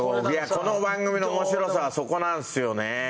この番組の面白さはそこなんですよね。